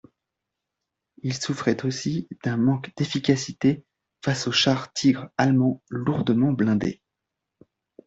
Ils souffraient aussi d'un manque d'efficacité face aux chars Tigre allemands lourdement blindés.